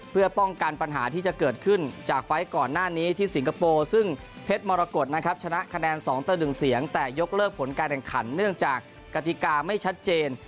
เพื่อเลิกผลการการขันเนื่องจากกฎิกาไม่ชัดเจน